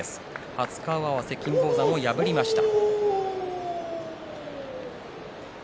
初顔合わせで金峰山を破りました。